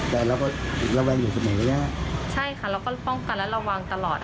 แต่เราก็ระแวงอยู่เสมอระยะใช่ค่ะเราก็ป้องกันและระวังตลอด